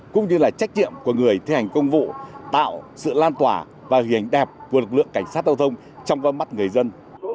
cũng như là trách nhiệm của người thi hành công vụ tạo sự lan tỏa và hình ảnh đẹp của lực lượng cảnh sát giao thông trong con mắt người dân